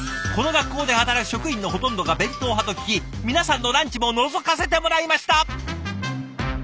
この学校で働く職員のほとんどが弁当派と聞き皆さんのランチものぞかせてもらいました！